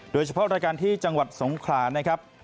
โดยเฉพาะรายการที่จังหวัดสงขลานะครับ